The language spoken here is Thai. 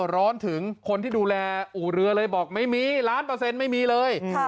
ร้อนถึงคนที่ดูแลอู่เรือเลยบอกไม่มีล้านเปอร์เซ็นต์ไม่มีเลย